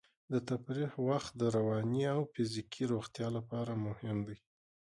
د تفریح وخت د رواني او فزیکي روغتیا لپاره مهم دی.